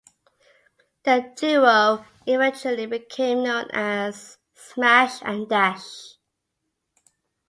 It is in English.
The duo eventually became known as "Smash and Dash".